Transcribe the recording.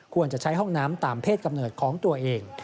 ควรจะใช้ห้องน้ำตามเพศกำเนิดของตัวเอง